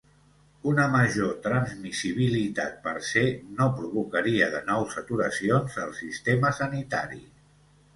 Una major transmissibilitat, per se, no provocaria de nou saturacions al sistema sanitari.